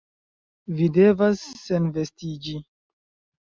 Vi devas senvestiĝi...